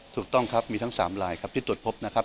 ถูกต้องครับมีทั้ง๓ลายครับที่ตรวจพบนะครับ